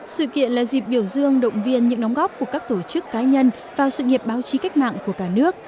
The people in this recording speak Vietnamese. sự kiện là dịp biểu dương động viên những đóng góp của các tổ chức cá nhân vào sự nghiệp báo chí cách mạng của cả nước